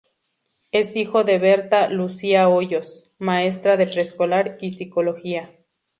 Es hijo de Berta Lucía Hoyos, maestra de preescolar y psicóloga.